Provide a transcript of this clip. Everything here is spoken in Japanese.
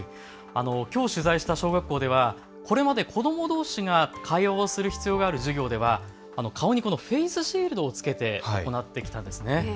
きょう取材した小学校ではこれまで子どもどうしが会話をする必要がある授業では顔にフェースシールドを着けて会話を行ってきたんですね。